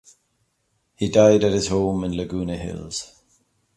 He died at his home in Laguna Hills.